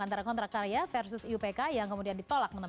antara kontrak karya versus iupk yang kemudian ditolak